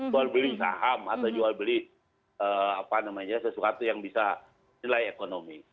jual beli saham atau jual beli sesuatu yang bisa nilai ekonomi